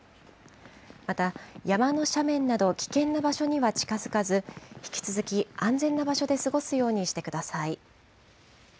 また、山の斜面など、危険な場所には近づかず、引き続き、安全な場所で過ごすようにしてください。